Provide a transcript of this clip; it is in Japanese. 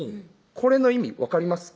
これの意味分かります？